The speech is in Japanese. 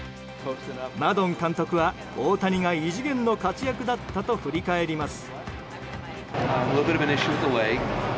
マドン監督は、大谷が異次元の活躍だったと振り返ります。